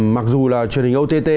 mặc dù là truyền hình ott